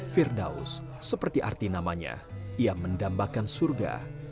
firdaus seperti arti namanya ia mendambakan surga